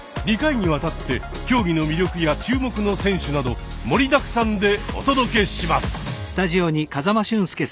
２回にわたって競技の魅力や注目の選手など盛りだくさんでお届けします。